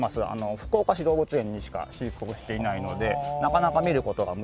福岡市動物園にしか飼育をしていないのでなかなか見る事が難しい動物。